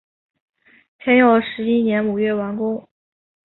天佑十一年五月完工。